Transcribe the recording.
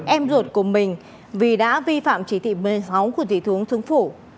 em ruột của mình vì đã vi phạm chỉ thị một mươi sáu của thị thướng trúng phủ